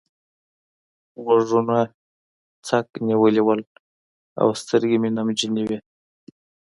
غوږونه څک نيولي وو او سترګې مې نمجنې وې.